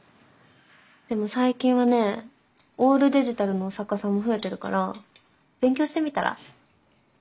でも最近はねオールデジタルの作家さんも増えてるから勉強してみたら？